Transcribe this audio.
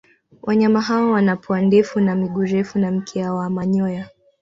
Wanyama hawa wana pua ndefu na miguu mirefu na mkia wa manyoya.